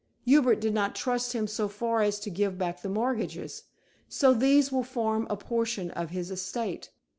Hubert did not trust him so far as to give back the mortgages, so these will form a portion of his estate.